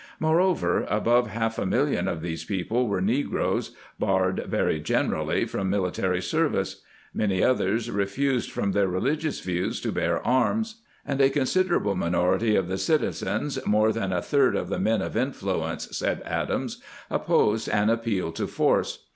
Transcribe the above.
Moreover, above half a million of these | people were negroes, barred very generally from military service ; many others refused from their religious views to bear arms ; and a considerable [ 5 ] The Private Soldier Under Washington /■minority of the citizens — more than a third of the men of influence, said Adams — opposed an ap peal to force.